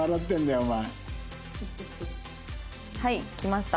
はいきました。